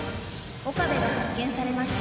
岡部が発見されました。